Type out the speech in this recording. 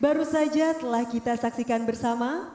baru saja telah kita saksikan bersama